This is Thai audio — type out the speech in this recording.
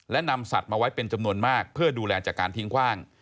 และนำสัตว์มาไว้เป็นจำนวนมากเพื่อดูแลจากการทิ้งคว่าง